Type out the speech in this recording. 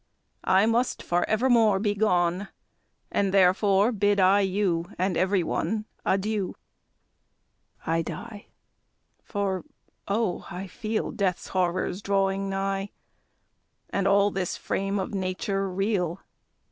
I must, for evermore, be gone; And therefore bid I you, And every one, Adieu! I die! For, oh! I feel Death's horrors drawing nigh, And all this frame of nature reel.